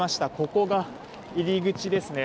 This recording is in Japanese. ここが入り口ですね。